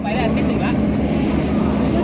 ไม่ได้มี